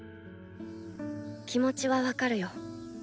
気持ちは分かるよ。